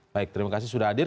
baik terima kasih sudah hadir